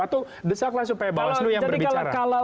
atau besarlah supaya bawaslu yang berbicara